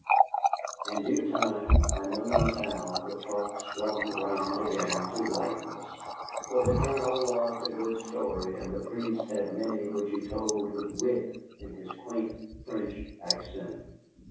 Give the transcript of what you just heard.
In due time, I know not how, the talk swung round again to lightness, for the Colonel loved a good story, and the priest had many which he told with wit in his quaint French accent.